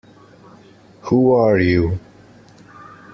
Who are you?